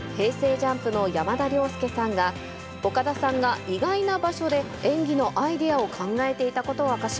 ＪＵＭＰの山田涼介さんが、岡田さんが意外な場所で演技のアイデアを考えていたことを明かし